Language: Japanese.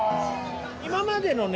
今までのね